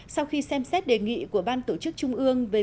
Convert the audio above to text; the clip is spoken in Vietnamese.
sau khi xem xét đề nghị của ban tổ chức trung ương